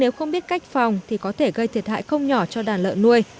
nếu không biết cách phòng thì có thể gây thiệt hại không nhỏ cho đàn lợn nuôi